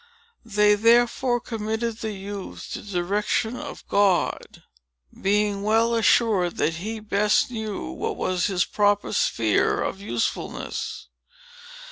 They therefore committed the youth to the direction of God, being well assured that he best knew what was his proper sphere of usefulness.